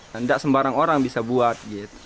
tidak sembarang orang bisa buat